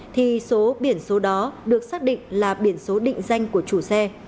thì số biển số đó được xác định là biển số định danh của chủ xe